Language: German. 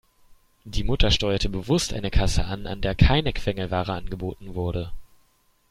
Die Mutter steuerte bewusst eine Kasse an, an der keine Quengelware angeboten wurde.